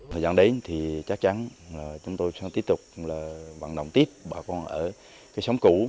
thời gian đấy thì chắc chắn là chúng tôi sẽ tiếp tục vận động tiếp bà con ở cái xóm cũ